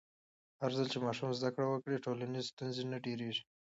هرځل چې ماشوم زده کړه وکړي، ټولنیز ستونزې نه ډېرېږي.